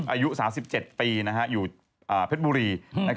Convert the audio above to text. อายุ๓๗ปีนะครับอยู่เพชรบุรี